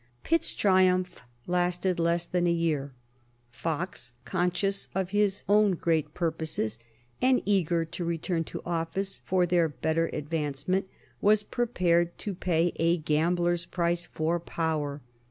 Pitt's triumph lasted less than a year. Fox, conscious of his own great purposes, and eager to return to office for their better advancement, was prepared to pay a gambler's price for power.